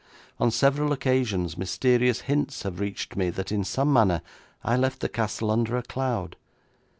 On several occasions mysterious hints have reached me that in some manner I left the castle under a cloud.